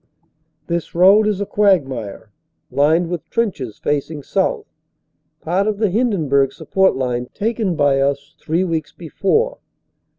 This road is a quagmire, lined with trenches facing south, part of the Hindenburg Support line taken by us three weeks before.